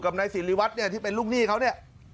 นายสิริวัตรเนี่ยที่เป็นลูกหนี้เขาเนี่ย